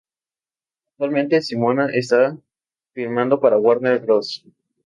Actualmente, Simona, está filmando para la Warner Bros.